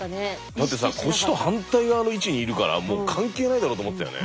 だってさ腰と反対側の位置にいるからもう関係ないだろうと思ったよね。